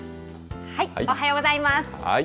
おはようございます。